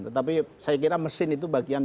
tetapi saya kira mesin itu bagian